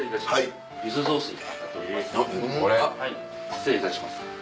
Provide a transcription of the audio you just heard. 失礼いたします。